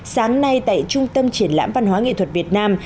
sáng nay tại trung tâm triển lãm văn hóa nghệ thuật việt nam